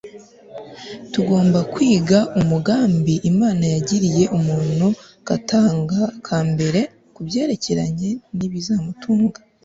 tugomba kwiga umugambi imana yagiriye umuntu katanga ka mbere ku byerekeranye n'ibizamutunga